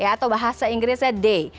atau bahasa inggrisnya they